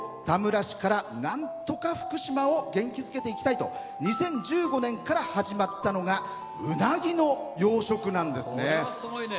田村市から、なんとか福島を元気づけていきたいと２０１５年から始まったのがうなぎの養殖なんですね。